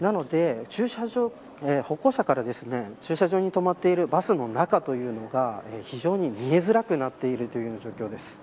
なので歩行者から駐車場に止まっているバスの中というのが非常に見えづらくなっているという状況です。